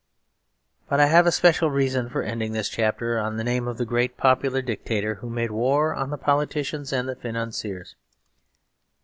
But I have a special reason for ending this chapter on the name of the great popular dictator who made war on the politicians and the financiers.